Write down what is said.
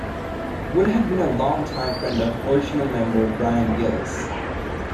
Wood had been a long-time friend of original member Brian Gillis.